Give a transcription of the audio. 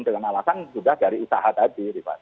dengan alasan sudah dari usaha tadi